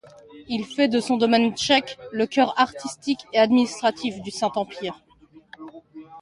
Il fait de son domaine tchèque le cœur artistique et administratif du Saint-Empire.